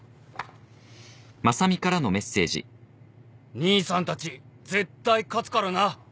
「兄さんたち絶対勝つからな！」